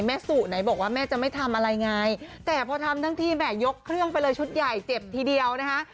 สุไหนบอกว่าแม่จะไม่ทำอะไรไงแต่พอทำทั้งทีแห่ยกเครื่องไปเลยชุดใหญ่เจ็บทีเดียวนะคะ